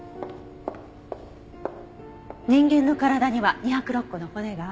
人間の体には２０６個の骨がある。